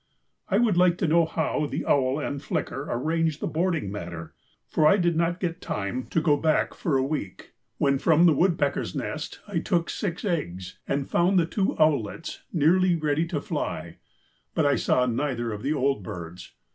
I would like to know how the owl and flicker arranged the boarding matter, for I did not get time to go back for a week, when from the woodpecker's nest I took six eggs and found the two owlets nearly ready to fly, but I saw neither of the old birds.